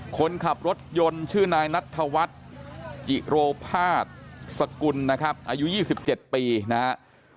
คนขับรถยนต์ชื่อนายนัทธวัฒน์จิโรภาษสกุลนะครับอายุ๒๗ปีนะครับ